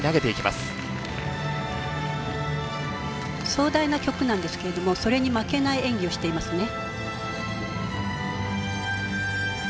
壮大な曲なんですけれどもそれに負けない演技をしていますね。